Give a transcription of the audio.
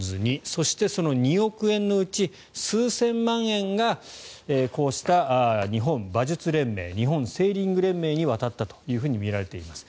そしてその２億円のうち数千万円がこうした日本馬術連盟日本セーリング連盟に渡ったとみられています。